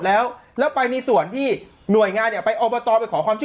แล้วแล้วไปในส่วนที่หน่วยงานเนี่ยไปอบตไปขอความช่วย